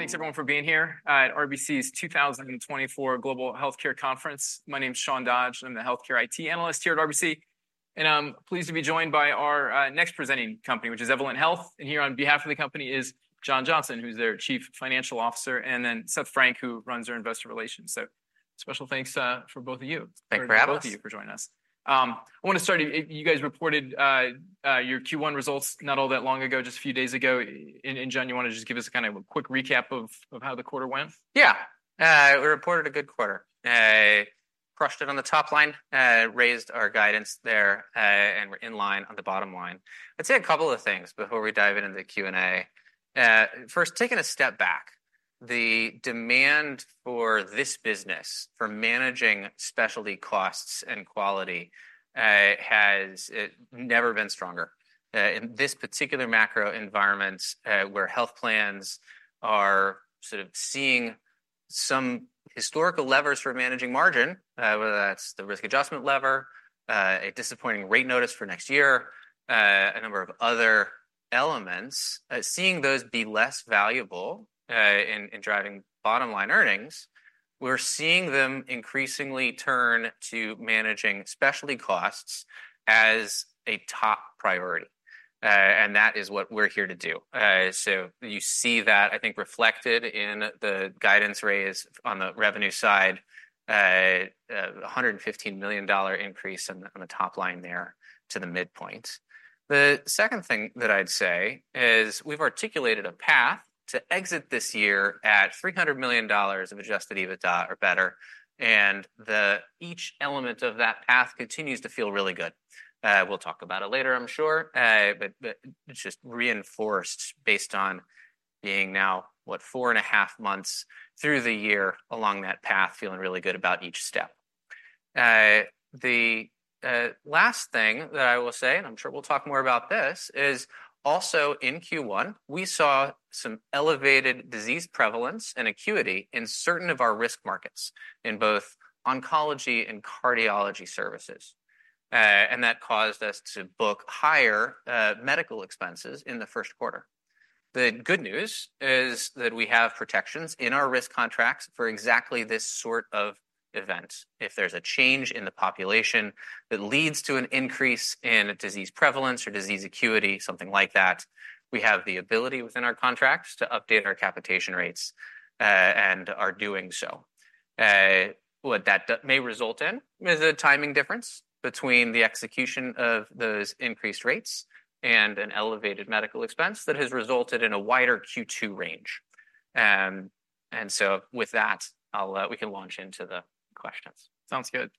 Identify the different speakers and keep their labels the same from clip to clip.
Speaker 1: Thanks, everyone, for being here at RBC's 2024 Global Healthcare Conference. My name is Sean Dodge. I'm the healthcare IT analyst here at RBC, and I'm pleased to be joined by our next presenting company, which is Evolent Health. Here on behalf of the company is John Johnson, who's their Chief Financial Officer, and then Seth Frank, who runs our Investor Relations. Special thanks for both of you.
Speaker 2: Thanks for having us.
Speaker 1: For both of you for joining us. I want to start, you guys reported your Q1 results not all that long ago, just a few days ago. And John, you want to just give us kind of a quick recap of how the quarter went?
Speaker 2: Yeah. We reported a good quarter, crushed it on the top line, raised our guidance there, and we're in line on the bottom line. I'd say a couple of things before we dive into the Q&A. First, taking a step back, the demand for this business, for managing specialty costs and quality, has never been stronger. In this particular macro environment, where health plans are sort of seeing some historical levers for managing margin, whether that's the risk adjustment lever, a disappointing rate notice for next year, a number of other elements, seeing those be less valuable, in driving bottom line earnings, we're seeing them increasingly turn to managing specialty costs as a top priority. And that is what we're here to do. So you see that, I think, reflected in the guidance raise on the revenue side, a $115 million increase on the top line there to the midpoint. The second thing that I'd say is, we've articulated a path to exit this year at $300 million of Adjusted EBITDA or better, and each element of that path continues to feel really good. We'll talk about it later, I'm sure, but it's just reinforced based on being now, what, 4.5 months through the year along that path, feeling really good about each step. The last thing that I will say, and I'm sure we'll talk more about this, is also in Q1, we saw some elevated disease prevalence and acuity in certain of our risk markets in both oncology and cardiology services. And that caused us to book higher medical expenses in the first quarter. The good news is that we have protections in our risk contracts for exactly this sort of event. If there's a change in the population that leads to an increase in disease prevalence or disease acuity, something like that, we have the ability within our contracts to update our capitation rates, and are doing so. What that may result in is a timing difference between the execution of those increased rates and an elevated medical expense that has resulted in a wider Q2 range. And so with that, we can launch into the questions.
Speaker 1: Sounds good.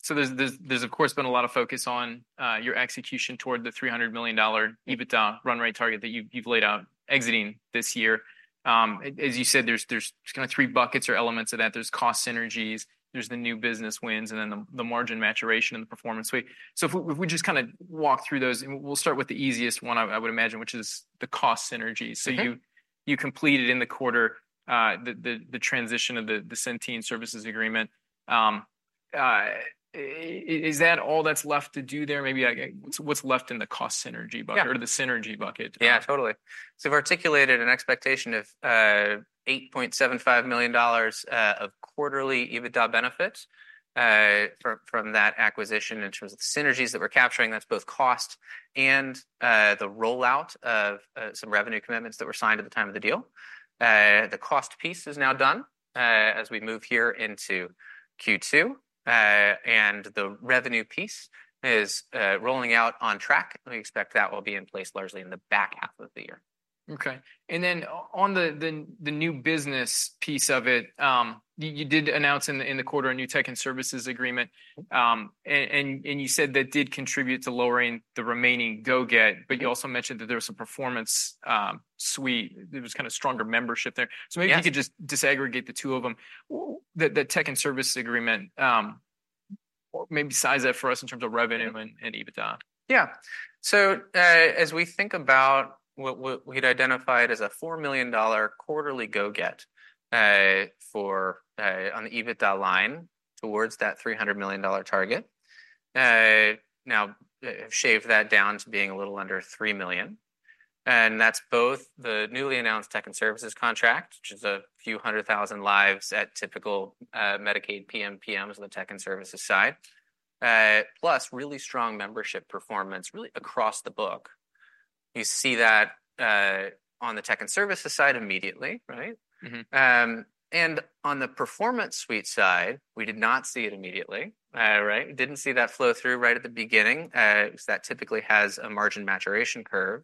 Speaker 1: So there's of course been a lot of focus on your execution toward the $300 million EBITDA run rate target that you've laid out exiting this year. As you said, there's kind of three buckets or elements of that. There's cost synergies, there's the new business wins, and then the margin maturation and the Performance Suite. So if we just kind of walk through those, and we'll start with the easiest one, I would imagine, which is the cost synergies.
Speaker 2: Mm-hmm.
Speaker 1: So you completed in the quarter the transition of the Centene services agreement. Is that all that's left to do there? Maybe, like, what's left in the cost synergy bucket-
Speaker 2: Yeah.
Speaker 1: Or the synergy bucket?
Speaker 2: Yeah, totally. So we've articulated an expectation of $8.75 million of quarterly EBITDA benefits from that acquisition in terms of the synergies that we're capturing. That's both cost and the rollout of some revenue commitments that were signed at the time of the deal. The cost piece is now done as we move here into Q2, and the revenue piece is rolling out on track. We expect that will be in place largely in the back half of the year.
Speaker 1: Okay. And then on the new business piece of it, you did announce in the quarter a new Tech and Services agreement, and you said that did contribute to lowering the remaining go-get-
Speaker 2: Mm-hmm
Speaker 1: But you also mentioned that there was a Performance Suite. There was kind of stronger membership there.
Speaker 2: Yeah.
Speaker 1: So maybe you could just disaggregate the two of them. With the Tech and Services agreement, maybe size that for us in terms of revenue and EBITDA.
Speaker 2: Yeah. So, as we think about what we'd identified as a $4 million quarterly go-get, for, on the EBITDA line towards that $300 million target, now, shave that down to being a little under $3 million, and that's both the newly announced tech and services contract, which is a few hundred thousand lives at typical, Medicaid PMPM on the tech and services side, plus really strong membership performance really across the book. You see that, on the tech and services side immediately, right?
Speaker 1: Mm-hmm.
Speaker 2: And on the Performance Suite side, we did not see it immediately. Right? We didn't see that flow through right at the beginning, because that typically has a margin maturation curve.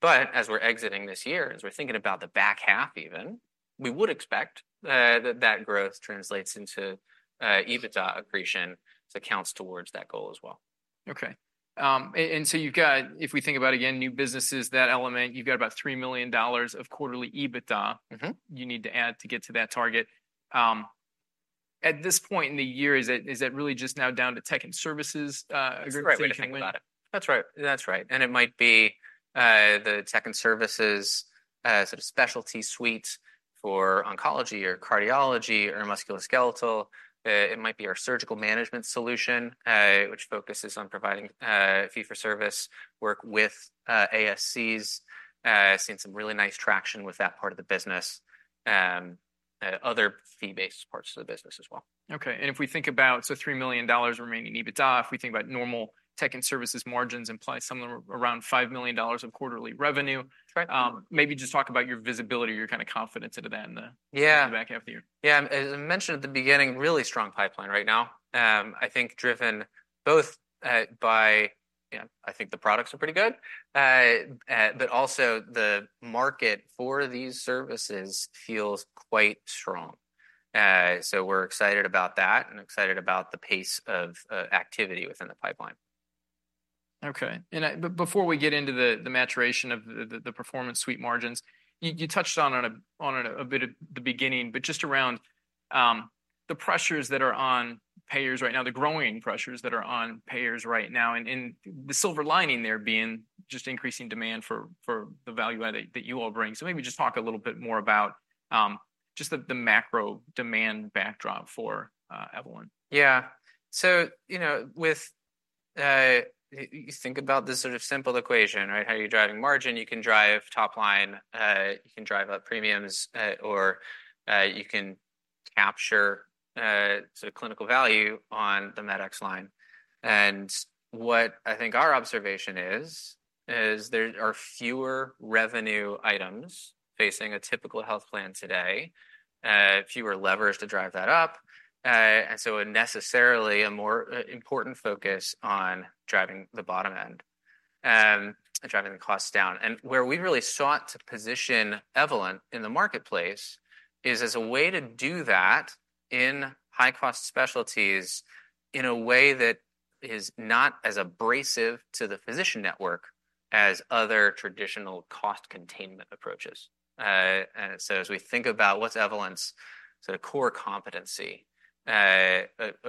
Speaker 2: But as we're exiting this year, as we're thinking about the back half even, we would expect that growth translates into EBITDA accretion, so counts towards that goal as well.
Speaker 1: Okay. And so you've got If we think about, again, new businesses, that element, you've got about $3 million of quarterly EBITDA-
Speaker 2: Mm-hmm
Speaker 1: You need to add to get to that target. At this point in the year, is it, is it really just now down to tech and services, agreement-
Speaker 2: That's the right way to think about it.
Speaker 1: To win?
Speaker 2: That's right, that's right. And it might be the tech and services sort of specialty suite for oncology or cardiology or musculoskeletal, it might be our surgical management solution, which focuses on providing fee-for-service work with ASCs. Seeing some really nice traction with that part of the business, other fee-based parts of the business as well.
Speaker 1: Okay, and if we think about, so $3 million remaining EBITDA, if we think about normal tech and services margins implies something around $5 million of quarterly revenue.
Speaker 2: That's right.
Speaker 1: Maybe just talk about your visibility or your kind of confidence into that in the-
Speaker 2: Yeah.
Speaker 1: Back half of the year.
Speaker 2: Yeah, as I mentioned at the beginning, really strong pipeline right now. I think driven both by, you know, I think the products are pretty good. But also the market for these services feels quite strong. So we're excited about that and excited about the pace of activity within the pipeline.
Speaker 1: Okay. But before we get into the maturation of the Performance Suite margins, you touched on it a bit at the beginning, but just around the pressures that are on payers right now, the growing pressures that are on payers right now, and the silver lining there being just increasing demand for the value add that you all bring. So maybe just talk a little bit more about just the macro demand backdrop for Evolent.
Speaker 2: Yeah. So, you know, with, you think about this sort of simple equation, right? How are you driving margin? You can drive top line, you can drive up premiums, or you can capture sort of clinical value on the med loss line. And what I think our observation is, there are fewer revenue items facing a typical health plan today, fewer levers to drive that up, and so necessarily a more important focus on driving the bottom end, and driving the costs down. And where we really sought to position Evolent in the marketplace is as a way to do that in high-cost specialties in a way that is not as abrasive to the physician network as other traditional cost containment approaches. And so as we think about what's Evolent's sort of core competency,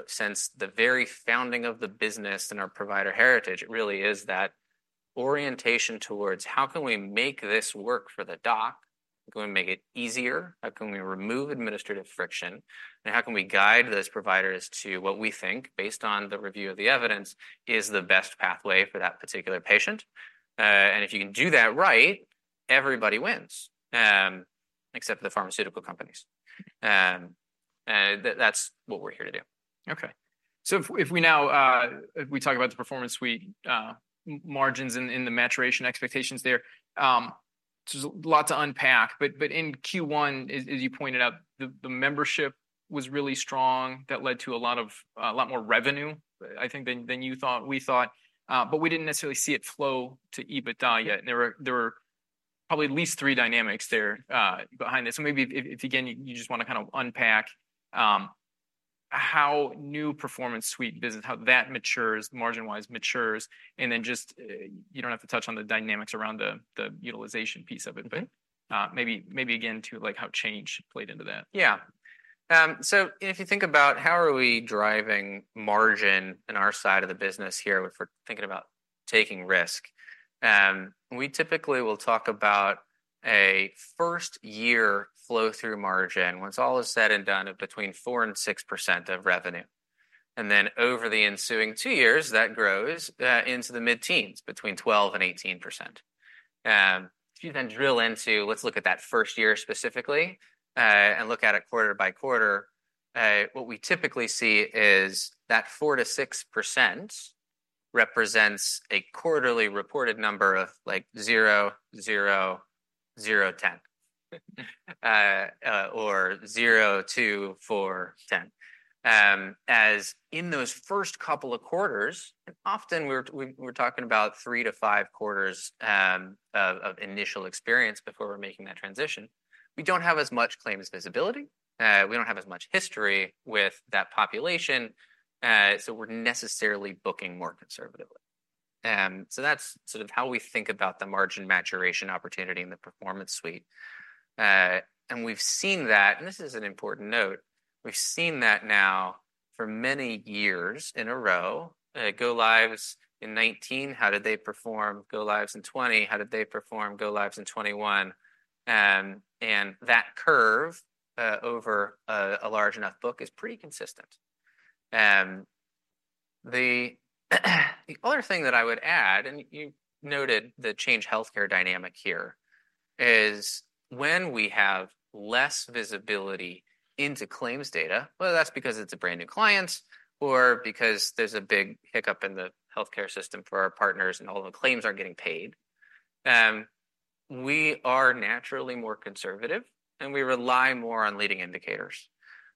Speaker 2: since the very founding of the business and our provider heritage, it really is that orientation towards how can we make this work for the doc? How can we make it easier? How can we remove administrative friction, and how can we guide those providers to what we think, based on the review of the evidence, is the best pathway for that particular patient? And if you can do that right, everybody wins, except for the pharmaceutical companies. That's what we're here to do.
Speaker 1: Okay. So if we talk about the Performance Suite, margins in the maturation expectations there, there's a lot to unpack, but in Q1, as you pointed out, the membership was really strong. That led to a lot more revenue, I think than you thought... we thought, but we didn't necessarily see it flow to EBITDA yet. And there were probably at least three dynamics there behind this. So maybe if, if again, you just want to kind of unpack how new Performance Suite business, how that matures, margin-wise matures, and then just you don't have to touch on the dynamics around the utilization piece of it.
Speaker 2: Mm-hmm.
Speaker 1: But, maybe, maybe again, to like how Change played into that.
Speaker 2: Yeah. So if you think about how are we driving margin in our side of the business here, if we're thinking about taking risk, we typically will talk about a first year flow through margin, once all is said and done, of between 4% and 6% of revenue. And then over the ensuing two years, that grows into the mid-teens, between 12% and 18%. If you then drill into let's look at that first year specifically, and look at it quarter by quarter, what we typically see is that 4%-6% represents a quarterly reported number of, like, 0, 0, 0, 10. Or 0, 2, 4, 10. As in those first couple of quarters, and often we're talking about 3-5 quarters of initial experience before we're making that transition, we don't have as much claims visibility, we don't have as much history with that population, so we're necessarily booking more conservatively. So that's sort of how we think about the margin maturation opportunity in the Performance Suite. And we've seen that, and this is an important note, we've seen that now for many years in a row. Go-lives in 2019, how did they perform? Go-lives in 2020, how did they perform? Go-lives in 2021. And that curve, over a large enough book is pretty consistent. The other thing that I would add, and you noted the Change Healthcare dynamic here, is when we have less visibility into claims data, whether that's because it's a brand-new client or because there's a big hiccup in the healthcare system for our partners, and all the claims aren't getting paid, we are naturally more conservative, and we rely more on leading indicators.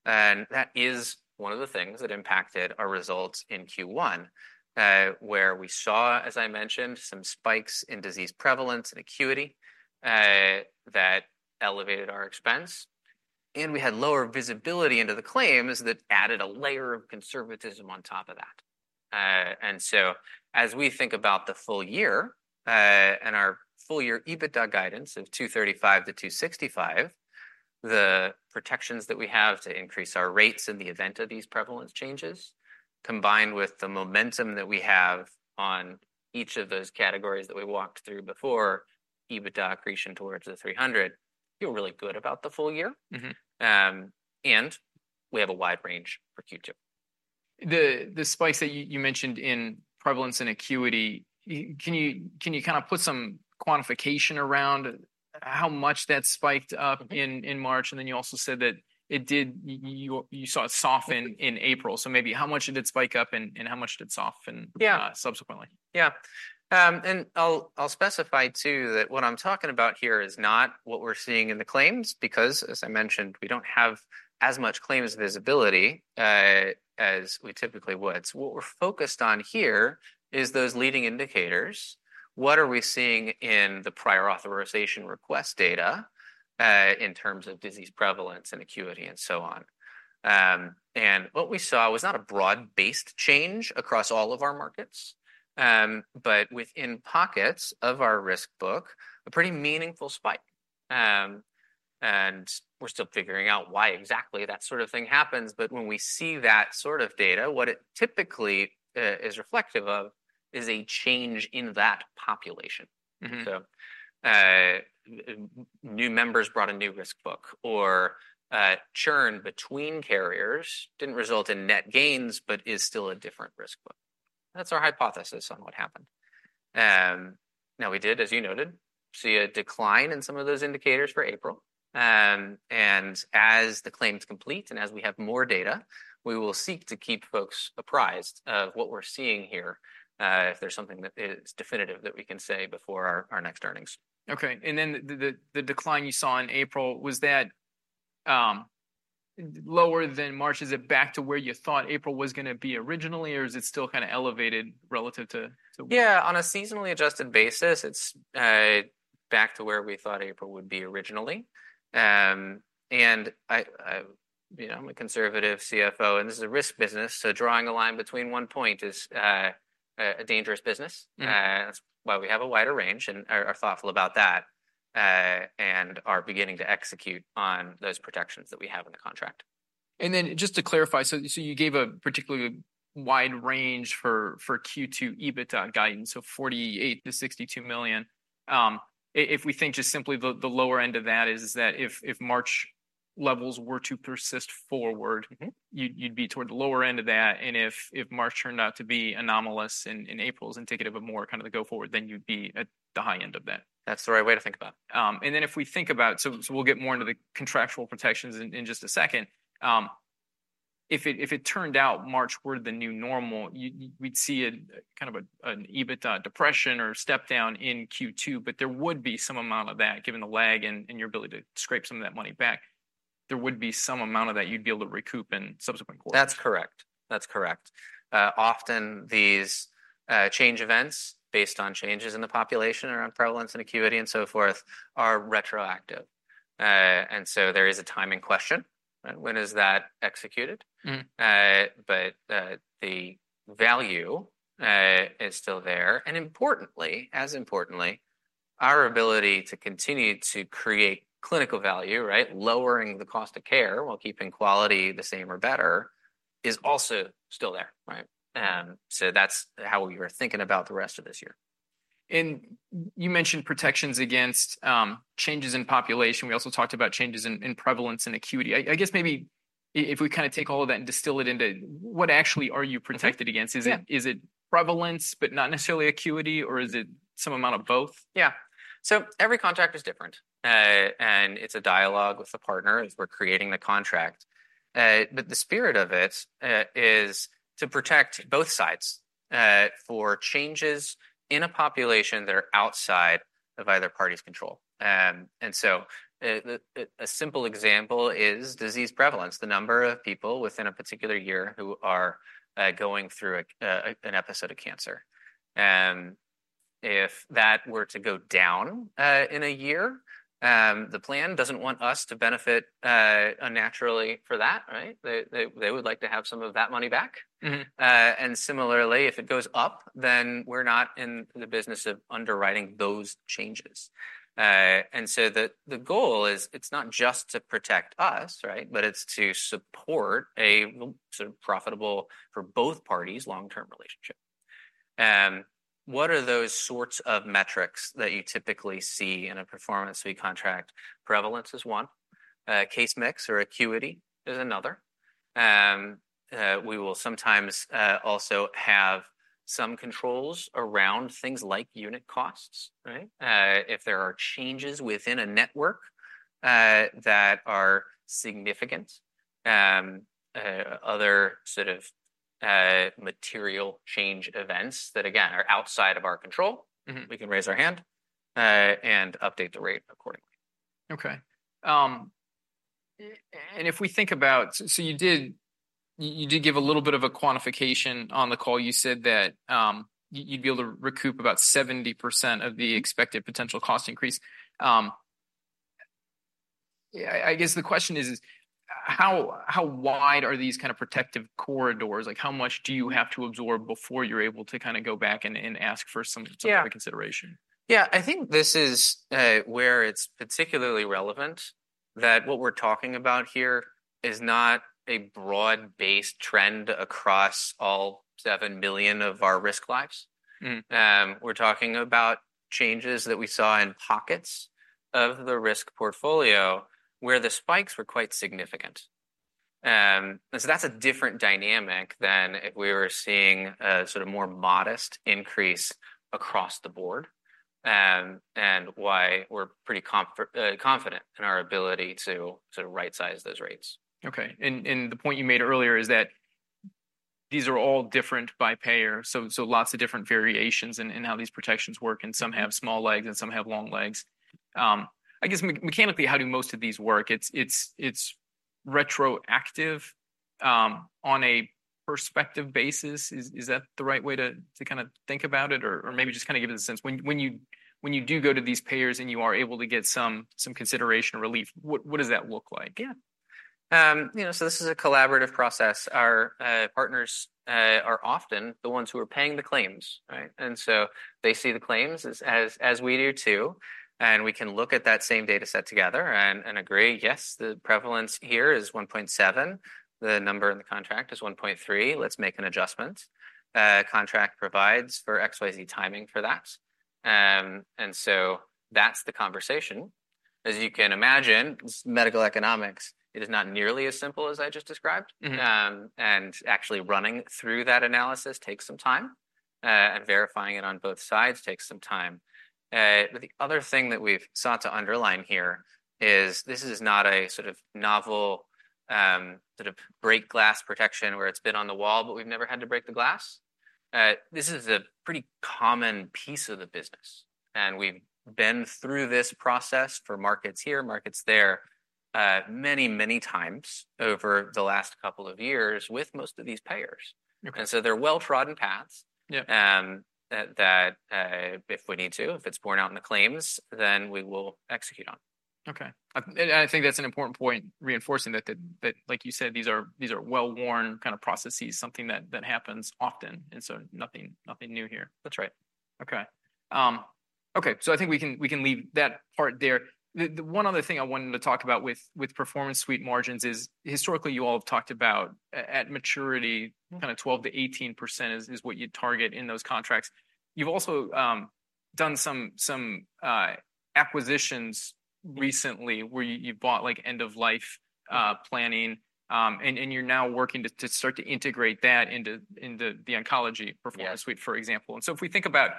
Speaker 2: That is one of the things that impacted our results in Q1, where we saw, as I mentioned, some spikes in disease prevalence and acuity, that elevated our expense, and we had lower visibility into the claims that added a layer of conservatism on top of that. And so as we think about the full year, and our full year EBITDA guidance of $235-$265, the protections that we have to increase our rates in the event of these prevalence changes, combined with the momentum that we have on each of those categories that we walked through before, EBITDA accretion towards the 300, feel really good about the full year.
Speaker 1: Mm-hmm.
Speaker 2: We have a wide range for Q2.
Speaker 1: The spikes that you mentioned in prevalence and acuity, can you kind of put some quantification around how much that spiked up in March? And then you also said that it did, you saw it soften in April. So maybe how much did it spike up, and how much did it soften-
Speaker 2: Yeah.
Speaker 1: Subsequently?
Speaker 2: Yeah. And I'll, I'll specify, too, that what I'm talking about here is not what we're seeing in the claims, because, as I mentioned, we don't have as much claims visibility as we typically would. So what we're focused on here is those leading indicators. What are we seeing in the prior authorization request data in terms of disease prevalence and acuity, and so on? And what we saw was not a broad-based change across all of our markets, but within pockets of our risk book, a pretty meaningful spike. And we're still figuring out why exactly that sort of thing happens, but when we see that sort of data, what it typically is reflective of is a change in that population.
Speaker 1: Mm-hmm.
Speaker 2: New members brought a new risk book, or, churn between carriers didn't result in net gains, but is still a different risk book. That's our hypothesis on what happened. Now, we did, as you noted, see a decline in some of those indicators for April. As the claims complete, and as we have more data, we will seek to keep folks apprised of what we're seeing here, if there's something that is definitive that we can say before our next earnings.
Speaker 1: Okay, and then the decline you saw in April, was that lower than March? Is it back to where you thought April was going to be originally, or is it still kind of elevated relative to, to-
Speaker 2: Yeah, on a seasonally adjusted basis, it's back to where we thought April would be originally. And I, you know, I'm a conservative CFO, and this is a risk business, so drawing a line between one point is a dangerous business.
Speaker 1: Mm.
Speaker 2: That's why we have a wider range and are thoughtful about that, and are beginning to execute on those protections that we have in the contract.
Speaker 1: Then just to clarify, so you gave a particularly wide range for Q2 EBITDA guidance, so $48 million-$62 million. If we think just simply the lower end of that is that if March levels were to persist forward-
Speaker 2: Mm-hmm
Speaker 1: You'd be toward the lower end of that, and if March turned out to be anomalous, and April is indicative of more kind of the go forward, then you'd be at the high end of that?
Speaker 2: That's the right way to think about it.
Speaker 1: And then if we think about, so we'll get more into the contractual protections in just a second. If it turned out March were the new normal, we'd see a kind of an EBITDA depression or step down in Q2, but there would be some amount of that, given the lag in your ability to scrape some of that money back, there would be some amount of that you'd be able to recoup in subsequent quarters.
Speaker 2: That's correct. That's correct. Often these change events based on changes in the population around prevalence and acuity and so forth, are retroactive. And so there is a timing question, right? When is that executed?
Speaker 1: Mm.
Speaker 2: But, the value is still there. And importantly, as importantly, our ability to continue to create clinical value, right, lowering the cost of care while keeping quality the same or better, is also still there, right? So that's how we are thinking about the rest of this year.
Speaker 1: You mentioned protections against changes in population. We also talked about changes in prevalence and acuity. I guess maybe if we kind of take all of that and distill it into what actually are you protected against?
Speaker 2: Yeah.
Speaker 1: Is it, is it prevalence, but not necessarily acuity, or is it some amount of both?
Speaker 2: Yeah. So every contract is different, and it's a dialogue with the partner as we're creating the contract. But the spirit of it is to protect both sides for changes in a population that are outside of either party's control. And so, a simple example is disease prevalence, the number of people within a particular year who are going through an episode of cancer. If that were to go down in a year, the plan doesn't want us to benefit unnaturally for that, right? They would like to have some of that money back.
Speaker 1: Mm-hmm.
Speaker 2: And similarly, if it goes up, then we're not in the business of underwriting those changes. And so the goal is, it's not just to protect us, right? But it's to support a sort of profitable for both parties long-term relationship. What are those sorts of metrics that you typically see in a performance fee contract? Prevalence is one, case mix or acuity is another. We will sometimes also have some controls around things like unit costs, right? If there are changes within a network that are significant, other sort of material change events that, again, are outside of our control-
Speaker 1: Mm-hmm
Speaker 2: We can raise our hand, and update the rate accordingly.
Speaker 1: Okay. And if we think about, so you did, you did give a little bit of a quantification on the call. You said that you'd be able to recoup about 70% of the expected potential cost increase. Yeah, I guess the question is, how wide are these kind of protective corridors? Like, how much do you have to absorb before you're able to kind of go back and ask for some-
Speaker 2: Yeah
Speaker 1: Sort of reconsideration?
Speaker 2: Yeah, I think this is where it's particularly relevant that what we're talking about here is not a broad-based trend across all 7 billion of our risk lives.
Speaker 1: Mm.
Speaker 2: We're talking about changes that we saw in pockets of the risk portfolio, where the spikes were quite significant, and so that's a different dynamic than if we were seeing a sort of more modest increase across the board, and why we're pretty confident in our ability to sort of rightsize those rates.
Speaker 1: Okay. And the point you made earlier is that these are all different by payer, so lots of different variations in how these protections work, and some have small legs, and some have long legs. Mechanically, how do most of these work? It's retroactive on a prospective basis. Is that the right way to kind of think about it? Or maybe just kind of give us a sense, when you do go to these payers and you are able to get some consideration or relief, what does that look like?
Speaker 2: Yeah. You know, so this is a collaborative process. Our partners are often the ones who are paying the claims, right? And so they see the claims as we do too, and we can look at that same data set together and agree, yes, the prevalence here is 1.7. The number in the contract is 1.3. Let's make an adjustment. Contract provides for XYZ timing for that. And so that's the conversation. As you can imagine, medical economics, it is not nearly as simple as I just described.
Speaker 1: Mm-hmm.
Speaker 2: Actually running through that analysis takes some time, and verifying it on both sides takes some time. But the other thing that we've sought to underline here is this is not a sort of novel, sort of break glass protection, where it's been on the wall, but we've never had to break the glass. This is a pretty common piece of the business, and we've been through this process for markets here, markets there, many, many times over the last couple of years with most of these payers.
Speaker 1: Okay.
Speaker 2: And so they're well-trodden paths-
Speaker 1: Yeah
Speaker 2: That if we need to, if it's borne out in the claims, then we will execute on.
Speaker 1: Okay. And I think that's an important point, reinforcing that, like you said, these are well-worn kind of processes, something that happens often, and so nothing new here.
Speaker 2: That's right.
Speaker 1: Okay. Okay, so I think we can leave that part there. The one other thing I wanted to talk about with Performance Suite margins is, historically, you all have talked about at maturity-
Speaker 2: Mm-hmm
Speaker 1: Kind of 12%-18% is what you target in those contracts. You've also done some acquisitions recently, where you bought, like, end-of-life planning, and you're now working to start to integrate that into the oncology-
Speaker 2: Yeah.
Speaker 1: Performance Suite, for example. So if we think about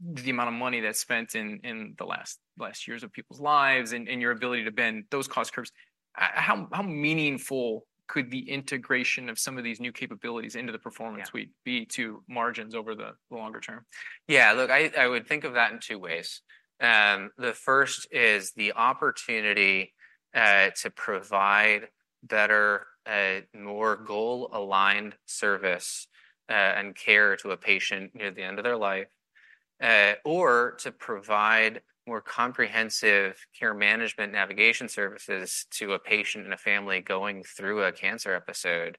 Speaker 1: the amount of money that's spent in the last years of people's lives and your ability to bend those cost curves, how meaningful could the integration of some of these new capabilities into the Performance-
Speaker 2: Yeah.
Speaker 1: will the Performance Suite margins be over the longer term?
Speaker 2: Yeah, look, I would think of that in two ways. The first is the opportunity to provide better, more goal-aligned service, and care to a patient near the end of their life, or to provide more comprehensive care management navigation services to a patient and a family going through a cancer episode,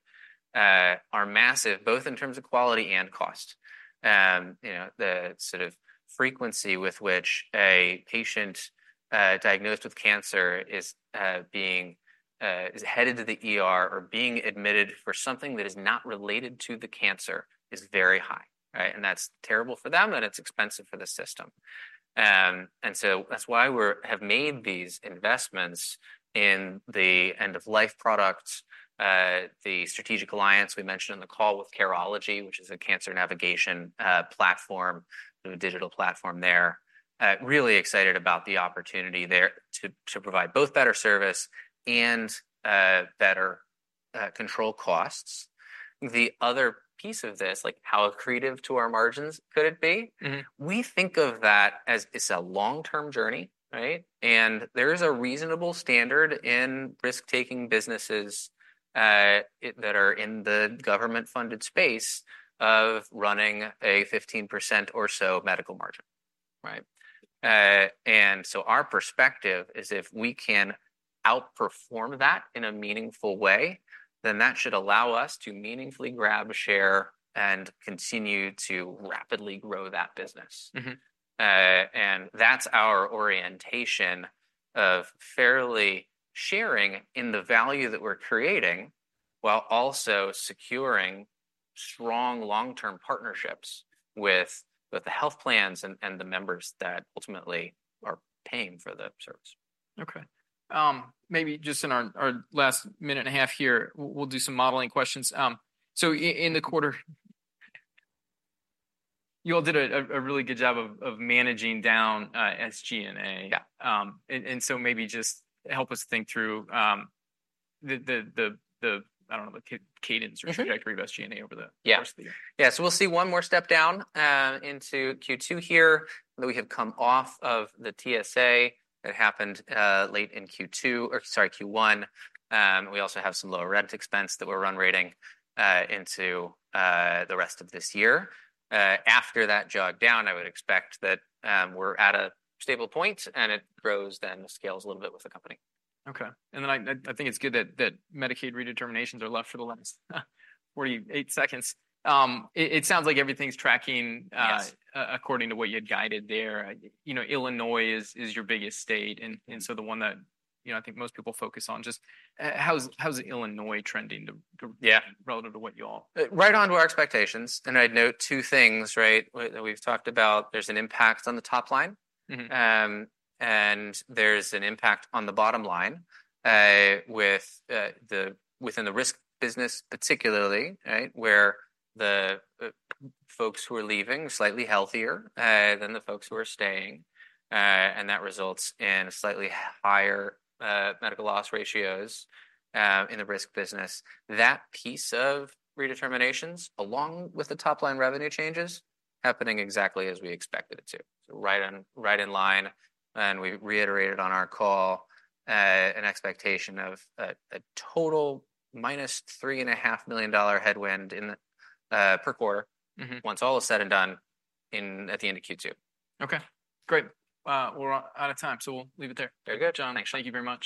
Speaker 2: are massive, both in terms of quality and cost. You know, the sort of frequency with which a patient diagnosed with cancer is headed to the ER or being admitted for something that is not related to the cancer is very high, right? And that's terrible for them, and it's expensive for the system. and so that's why we have made these investments in the end-of-life products, the strategic alliance we mentioned on the call with Careology, which is a cancer navigation platform, a digital platform there. Really excited about the opportunity there to provide both better service and better control costs. The other piece of this, like, how accretive to our margins could it be?
Speaker 1: Mm-hmm.
Speaker 2: We think of that as it's a long-term journey, right? There is a reasonable standard in risk-taking businesses that are in the government-funded space of running a 15% or so medical margin, right? Our perspective is, if we can outperform that in a meaningful way, then that should allow us to meaningfully grab a share and continue to rapidly grow that business.
Speaker 1: Mm-hmm.
Speaker 2: And that's our orientation of fairly sharing in the value that we're creating, while also securing strong long-term partnerships with the health plans and the members that ultimately are paying for the service.
Speaker 1: Okay. Maybe just in our last minute and a half here, we'll do some modeling questions. So in the quarter, you all did a really good job of managing down SG&A.
Speaker 2: Yeah.
Speaker 1: And so maybe just help us think through, I don't know, the cadence-
Speaker 2: Mm-hmm
Speaker 1: Or trajectory of SG&A over the-
Speaker 2: Yeah.
Speaker 1: - course of the year.
Speaker 2: Yeah, so we'll see one more step down into Q2 here, though we have come off of the TSA that happened late in Q2, or sorry, Q1. We also have some lower rent expense that we're run rating into the rest of this year. After that jog down, I would expect that we're at a stable point, and it grows then, and scales a little bit with the company.
Speaker 1: Okay, and then I think it's good that Medicaid redeterminations are left for the last 48 seconds. It sounds like everything's tracking-
Speaker 2: Yeah.
Speaker 1: According to what you had guided there. You know, Illinois is your biggest state, and so the one that, you know, I think most people focus on. Just, how's Illinois trending to-
Speaker 2: Yeah
Speaker 1: - relative to what you all?
Speaker 2: Right on to our expectations, and I'd note two things, right? We've talked about, there's an impact on the top line.
Speaker 1: Mm-hmm.
Speaker 2: And there's an impact on the bottom line, with within the risk business, particularly, right, where the folks who are leaving slightly healthier than the folks who are staying, and that results in slightly higher medical loss ratios in the risk business. That piece of redeterminations, along with the top-line revenue changes, happening exactly as we expected it to. So right in, right in line, and we reiterated on our call, an expectation of a total -$3.5 million headwind in the per quarter-
Speaker 1: Mm-hmm
Speaker 2: Once all is said and done in, at the end of Q2.
Speaker 1: Okay, great. We're out of time, so we'll leave it there.
Speaker 2: Very good.
Speaker 1: John-
Speaker 2: Thanks
Speaker 1: Thank you very much.